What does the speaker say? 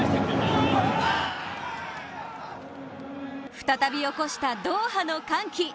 再び起こしたドーハの歓喜。